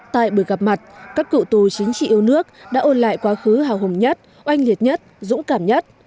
tại buổi gặp mặt các cựu tù chính trị yêu nước đã ôn lại quá khứ hào hùng nhất oanh liệt nhất dũng cảm nhất